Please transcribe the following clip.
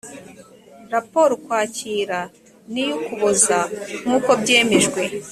raporo ukwakira n’iy’ukuboza nk’uko byemejwe